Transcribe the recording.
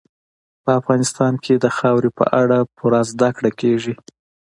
په افغانستان کې د خاورې په اړه پوره زده کړه کېږي.